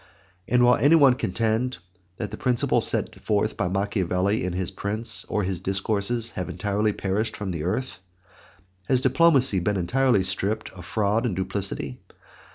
And will anyone contend that the principles set forth by Machiavelli in his Prince or his Discourses have entirely perished from the earth? Has diplomacy been entirely stripped of fraud and duplicity?